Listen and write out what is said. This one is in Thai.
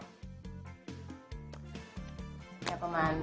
แค่ประมาณ๕๗วันนะครับ